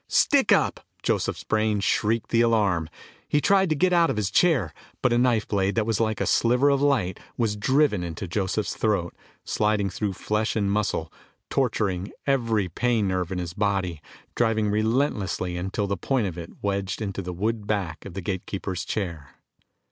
Stick up! Joseph's brain shrieked the alarm. He tried to get out of his chair, but a knife blade that was like a sliver of light was driven into Joseph's throat, sliding through flesh and muscle, torturing every pain nerve in his body, driving relentlessly until the point of it wedged into the wood back of the gate keeper's chair.